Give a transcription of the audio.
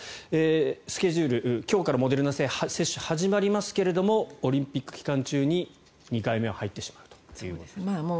スケジュール、今日からモデルナ製の接種が始まりますがオリンピック期間中に２回目が入ってしまうという。